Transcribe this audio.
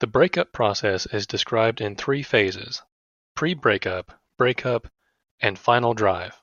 The break-up process is described in three phases: pre-break-up, break-up and final drive.